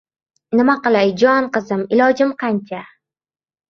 Nima qilay, jon qizim, ilojim qancha!